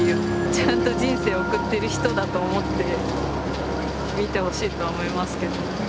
ちゃんと人生を送ってる人だと思って見てほしいとは思いますけどもね。